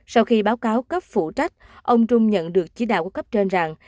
sau khi báo cáo cấp phụ trách ông trung nhận được chỉ đạo của cấp trên rằng